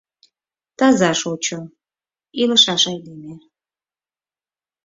Таза шочо, илышаш айдеме.